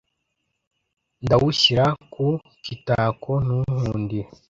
Ndawushyira ku kitako ntunkundire,